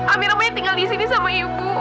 amira pengen tinggal di situ sama ibu